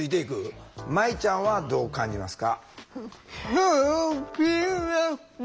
舞ちゃんはどう感じますか？